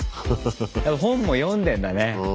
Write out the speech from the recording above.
本も読んでんだね。